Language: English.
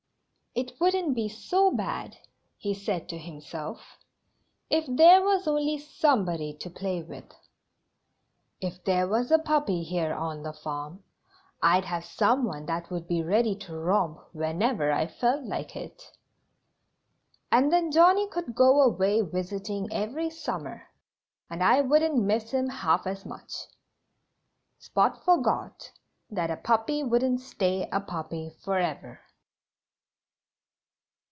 "It wouldn't be so bad," he said to himself, "if there was only somebody to play with. If there was a puppy here on the farm I'd have some one that would be ready to romp whenever I felt like it. And then Johnnie could go away visiting every summer and I wouldn't miss him half as much." Spot forgot that a puppy wouldn't stay a puppy forever.